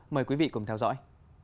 mời quý vị cùng theo dõi